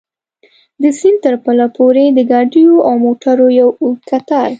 د سیند تر پله پورې د ګاډیو او موټرو یو اوږد کتار.